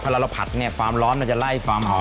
เวลาเราผัดเนี่ยฟาร์มร้อนมันจะไล่ฟาร์มหอม